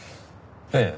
ええ。